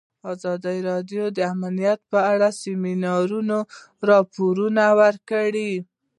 ازادي راډیو د امنیت په اړه د سیمینارونو راپورونه ورکړي.